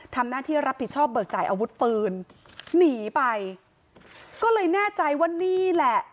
ทำหน้าที่รับผิดชอบเบิกจ่ายอาวุธปืนหนีไปก็เลยแน่ใจว่านี่แหละ